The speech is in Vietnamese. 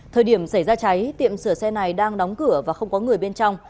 thời điểm xảy ra cháy tiệm sửa xe này đang đóng cửa và không có người bên trong